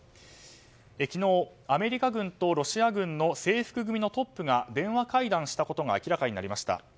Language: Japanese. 昨日、アメリカ軍とロシア軍の制服組のトップが電話会談したことが明らかになしました。